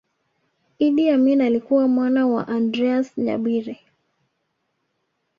Idi Amin alikuwa mwana wa Andreas Nyabire